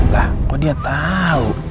lah kok dia tahu